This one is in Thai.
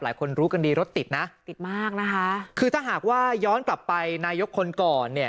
รู้กันดีรถติดนะติดมากนะคะคือถ้าหากว่าย้อนกลับไปนายกคนก่อนเนี่ย